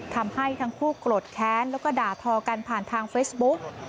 ทำให้ทั้งคู่โกรธแค้นแล้วก็ด่าทอกันผ่านทางเฟซบุ๊ก